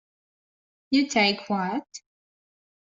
You take what?